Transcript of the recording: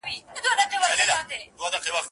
په ګاونډ کي پاچاهان او دربارونه